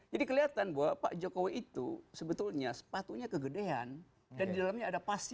jadi kelihatan bahwa pak jokowi itu sebetulnya sepatunya kegedean dan di dalamnya ada pasir